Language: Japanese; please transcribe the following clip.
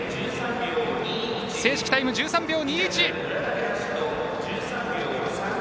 正式タイム１３秒２１。